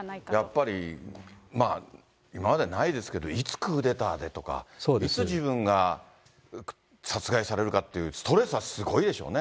やっぱり、今までないですけど、いつクーデターでとか、いつ自分が殺害されるかっていうストレスはすごいでしょうね。